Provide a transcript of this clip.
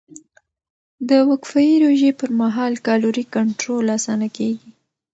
د وقفهيي روژې پر مهال کالوري کنټرول اسانه کېږي.